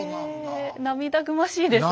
へえ涙ぐましいですね。